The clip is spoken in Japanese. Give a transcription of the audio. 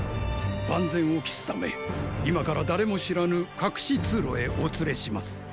万全を期すため今から誰も知らぬ隠し通路へお連れします。